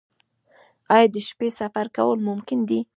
آیا د شپې سفر کول ممکن دي؟